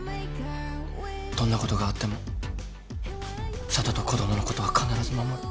どんなことがあっても佐都と子供のことは必ず守る。